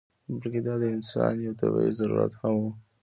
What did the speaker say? بلکې دا د انسان یو طبعي ضرورت هم و.